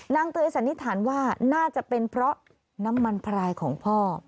เตยสันนิษฐานว่าน่าจะเป็นเพราะน้ำมันพรายของพ่อ